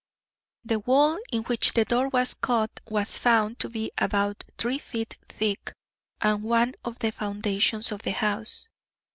The wall in which the door was cut was found to be about three feet thick, and one of the foundations of the house.